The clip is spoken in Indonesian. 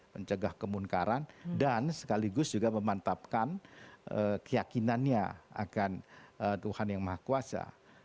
mencegah kemungkaran dan sekaligus juga memantapkan keyakinannya akan tuhan yang maha kuasa